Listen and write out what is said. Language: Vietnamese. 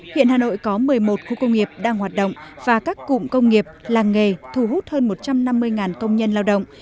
hiện hà nội có một mươi một khu công nghiệp đang hoạt động và các cụm công nghiệp làng nghề thu hút hơn một trăm năm mươi công nhân lao động